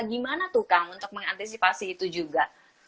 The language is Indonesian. gimana tuh kang untuk mengantisipasi itu juga